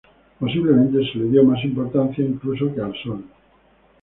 Posiblemente se le dio más importancia incluso que al Sol.